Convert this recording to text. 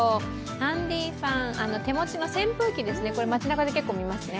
ハンディファン、手持ちの扇風機ですね、街なかで結構見ますね。